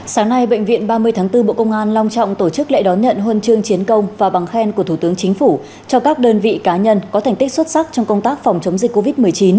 sáng nay bệnh viện ba mươi tháng bốn bộ công an long trọng tổ chức lễ đón nhận huân chương chiến công và bằng khen của thủ tướng chính phủ cho các đơn vị cá nhân có thành tích xuất sắc trong công tác phòng chống dịch covid một mươi chín